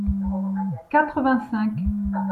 quatre-vingt-cinq